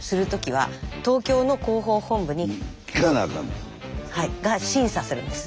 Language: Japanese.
はいが審査するんです。